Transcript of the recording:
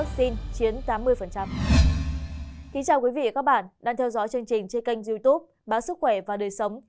xin chào quý vị và các bạn đang theo dõi chương trình trên kênh youtube báo sức khỏe và đời sống